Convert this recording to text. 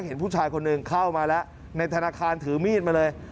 เห็นผู้ชายคนหนึ่งเข้ามาแล้วในธนาคารถือมีดมาเลย